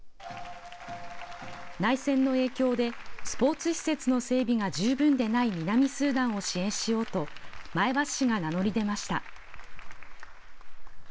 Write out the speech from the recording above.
内戦の影響で、スポーツ施設の整備が十分でない南スーダンを支援しようと、前橋市が名乗り出ました。